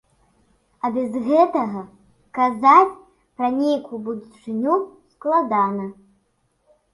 А без гэтага казаць пра нейкую будучыню складана.